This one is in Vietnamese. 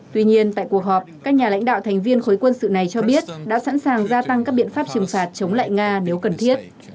tuy nhiên tại cuộc họp các nhà lãnh đạo thành viên khối quân sự này cho biết đã sẵn sàng gia tăng các biện pháp trừng phạt chống lại nga nếu cần thiết